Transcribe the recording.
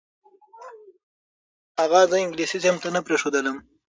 اغا زه انګلیسي صنف ته نه پرېښودلم.